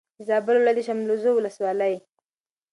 د زابل ولایت د شملزو ولسوالي